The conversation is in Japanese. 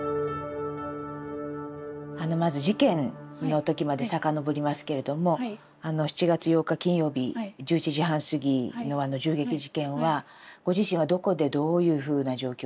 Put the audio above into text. まず事件の時まで遡りますけれども７月８日金曜日１１時半過ぎのあの銃撃事件はご自身はどこでどういうふうな状況でお聞きになりましたか？